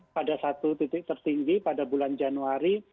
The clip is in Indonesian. pada satu titik tertinggi pada bulan januari